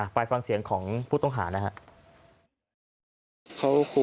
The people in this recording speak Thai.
ไปฟังเสียงของผู้ต้องหานะครับ